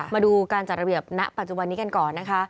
มาดูการจัดระเบียบณปัจจุบันนี้กันก่อนนะคะ